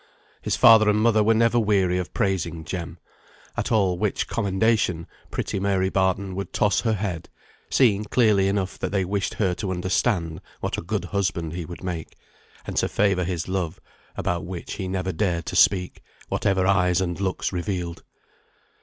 His father and mother were never weary of praising Jem, at all which commendation pretty Mary Barton would toss her head, seeing clearly enough that they wished her to understand what a good husband he would make, and to favour his love, about which he never dared to speak, whatever eyes and looks revealed.